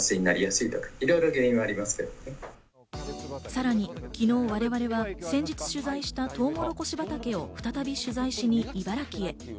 さらに昨日、我々は先日取材したトウモロコシ畑を再び取材をしに茨城へ。